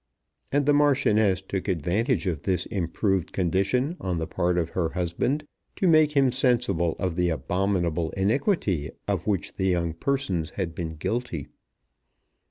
And the Marchioness took advantage of this improved condition on the part of her husband to make him sensible of the abominable iniquity of which the young persons had been guilty.